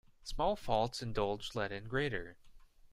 Small faults indulged let in greater.